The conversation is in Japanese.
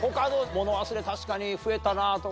物忘れ確かに増えたなとか。